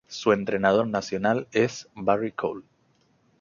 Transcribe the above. Su entrenador nacional es Barry Collie.